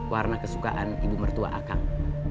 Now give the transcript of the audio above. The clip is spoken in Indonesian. warna kesukaan ibu mertua akang